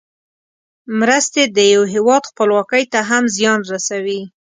مرستې د یو هېواد خپلواکۍ ته هم زیان رسوي.